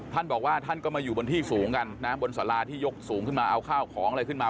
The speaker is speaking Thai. ท่านบอกว่าท่านก็มาอยู่บนที่สูงกันนะบนสาราที่ยกสูงขึ้นมาเอาข้าวของอะไรขึ้นมา